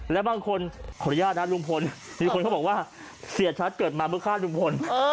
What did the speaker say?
และบางคนขออนุญาตนะลุงพลมีคนเขาบอกว่าเสียชัดเกิดมาเพื่อฆ่าลุงพล